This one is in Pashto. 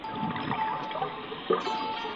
کاساني رحمه الله زياته کړې ده